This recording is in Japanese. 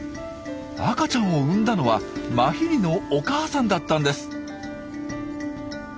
赤ちゃんを産んだのはマヒリのお母さんだったんです。